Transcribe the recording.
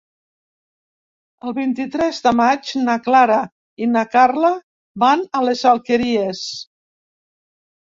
El vint-i-tres de maig na Clara i na Carla van a les Alqueries.